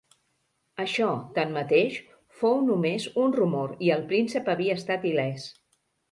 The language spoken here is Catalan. Això, tanmateix, fou només un rumor i el príncep havia estat il·lès.